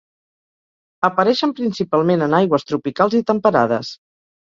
Apareixen principalment en aigües tropicals i temperades.